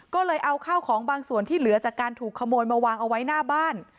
ก็เลยเอาข้าวของบางส่วนที่เหลือจากการถูกขโมยมาวางเอาไว้หน้าบ้าน